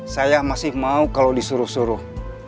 saya masih mau kalau disuruh suruh